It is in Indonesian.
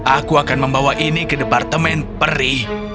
aku akan membawa ini ke departemen peri